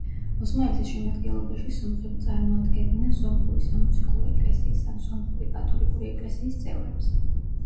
ოსმალეთის შემადგენლობაში სომხები წარმოადგენდნენ სომხური სამოციქულო ეკლესიის ან სომხური კათოლიკური ეკლესიის წევრებს.